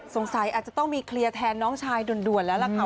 สงสัยอาจจะต้องมีเคลียร์แทนน้องชายด่วนแล้วล่ะค่ะ